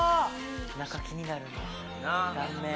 中気になる断面。